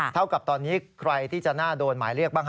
เท่ากับตอนนี้ใครที่จะน่าโดนหมายเรียกบ้าง